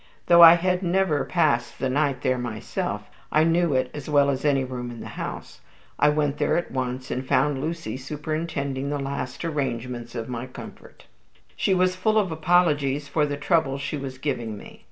Though I had never passed the night there myself, I knew it as well as any room in the house. I went there at once, and found Lucy superintending the last arrangements for my comfort. She was full of apologies for the trouble she was giving me.